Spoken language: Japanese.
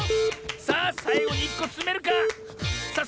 さあさいごに１こつめるか⁉さあ